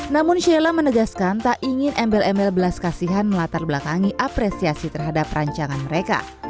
namun shela menegaskan tak ingin embel embel belas kasihan melatar belakangi apresiasi terhadap rancangan mereka